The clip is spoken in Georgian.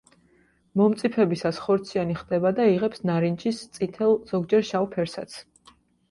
მომწიფებისას ხორციანი ხდება და იღებს ნარინჯის, წითელ, ზოგჯერ შავ ფერსაც.